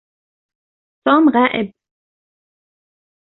توم غائب.